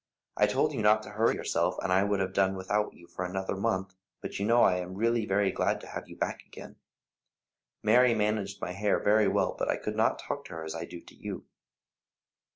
"I told you not to hurry yourself, and I would have done without you for another month, but you know I am really very glad to have you back again. Mary managed my hair very well, but I could not talk to her as I do to you."